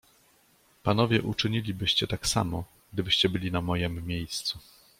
"Panowie uczynilibyście tak samo, gdybyście byli na mojem miejscu."